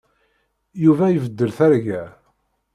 Yuba ibeddel targa.